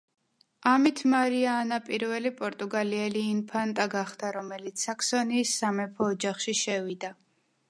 ამით მარია ანა პირველი პორტუგალიელი ინფანტა გახდა, რომელიც საქსონიის სამეფო ოჯახში შევიდა.